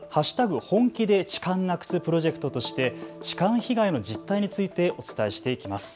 本気で痴漢なくすプロジェクトとして痴漢被害の実態についてお伝えしていきます。